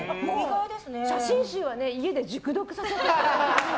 写真集は家で熟読させていただいて。